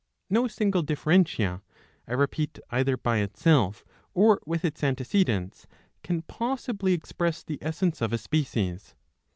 No single dif ferentia, I repeat, either by itself or with its antecedents, can possibly express the essence of a species.